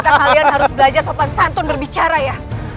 kita kalian harus belajar sopan santun berbicara ya